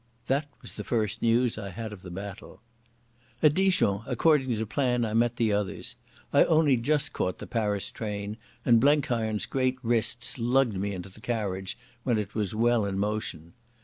That was the first news I had of the battle. At Dijon according to plan I met the others. I only just caught the Paris train, and Blenkiron's great wrists lugged me into the carriage when it was well in motion.